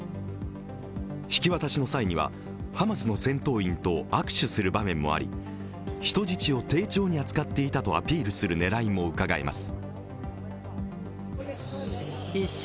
引き渡しの際にはハマスの戦闘員と握手する場面もあり人質を丁重に扱っていたとアピールする狙いもうかがえます。